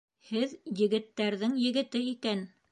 Һеҙ егеттәрҙең егете икән!